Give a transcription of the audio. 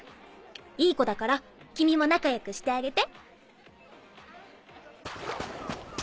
いい子だから君も仲良くしてあげて。